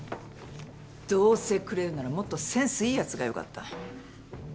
どうせくれるならもっとセンスいいやつが良かった。